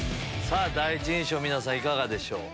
さぁ第一印象皆さんいかがでしょう？